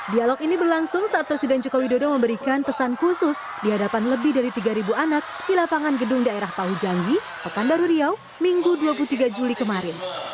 dialog ini berlangsung saat presiden jokowi dodo memberikan pesan khusus di hadapan lebih dari tiga anak di lapangan gedung daerah paujanggi pekanbaru riau minggu dua puluh tiga juli kemarin